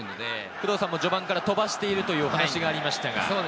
工藤さんも序盤から飛ばしているというお話がありましたが。